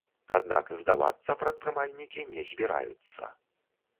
Аднак здавацца прадпрымальнікі не збіраюцца.